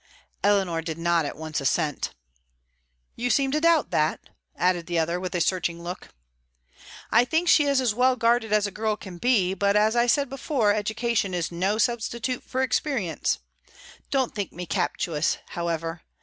Eleanor did not at once assent. "You seem to doubt that?" added the other, with a searching look. "I think she is as well guarded as a girl can be; but, as I said before, education is no substitute for experience. Don't think me captious, however.